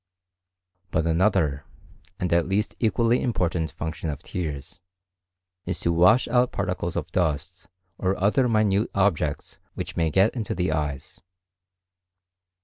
But another, and at least equally important function of tears, is to wash out particles of dust or other minute objects which may get into the eyes.